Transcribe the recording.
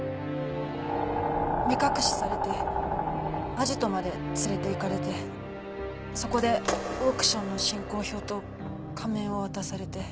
目隠しされてアジトまで連れていかれてそこでオークションの進行表と仮面を渡されて。